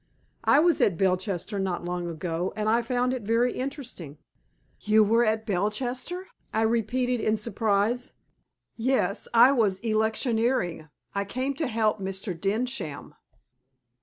I was at Belchester not long ago, and I found it very interesting." "You were at Belchester!" I repeated in surprise. "Yes; I was electioneering. I came to help Mr. Densham."